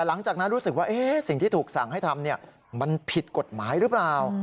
หลังจากนั้นรู้สึกว่าสิ่งที่ถูกสั่งให้ทำมันผิดกฎหมายหรือเปล่า